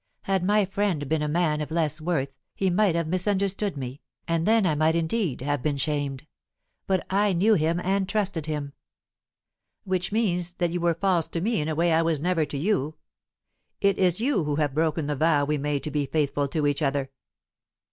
Had my friend been a man of less worth, he might have misunderstood me, and then I might indeed have been shamed. But I knew him and trusted him." "Which means, that you were false to me in a way I never was to you. It is you who have broken the vow we made to be faithful to each other."